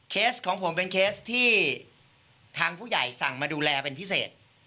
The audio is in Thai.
ของผมเป็นเคสที่ทางผู้ใหญ่สั่งมาดูแลเป็นพิเศษ